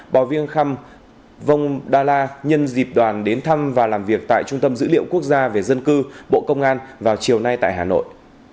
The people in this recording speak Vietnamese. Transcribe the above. bò viêng khăm vông đa la nhân dịp đoàn đến thăm và làm việc tại trung tâm dữ liệu quốc gia về dân cư bộ công an vào chiều nay tại hà nội